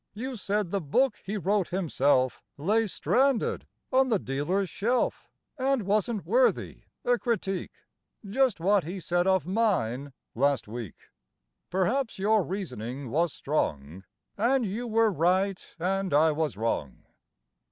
You said the book he wrote himself Lay stranded on the dealer's shelf And wasn't worthy a critique; (Just what he said of mine last week). Perhaps your reasoning was strong And you were right and I was wrong.